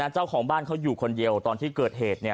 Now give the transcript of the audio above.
เจ้าของบ้านเขาอยู่คนเดียวตอนที่เกิดเหตุ